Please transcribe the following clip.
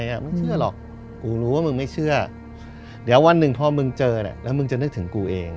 ไม่เชื่อหรอกกูรู้ว่ามึงไม่เชื่อเดี๋ยววันหนึ่งพอมึงเจอเนี่ยแล้วมึงจะนึกถึงกูเอง